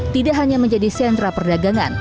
tidak hanya menjadi sentra perdagangan